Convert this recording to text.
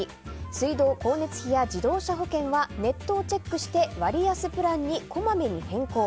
水道光熱費や自動車保険はネットをチェックして割安プランにこまめに変更。